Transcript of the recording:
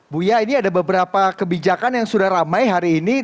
buya ini ada beberapa kebijakan yang sudah ramai hari ini